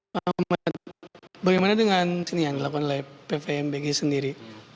pak ahmad bagaimana dengan sinian dilakukan oleh ppmbg sendiri